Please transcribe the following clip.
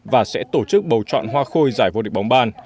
và sẽ tổ chức bầu chọn hoa khôi giải vô địch bóng bàn